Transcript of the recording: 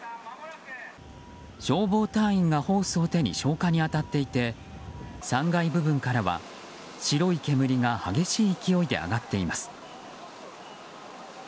消防隊員がホースを手に消火に当たっていて３階部分からは白い煙が激しい勢いで上がっています。